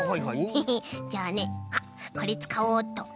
ヘヘッじゃあねあっこれつかおうっと。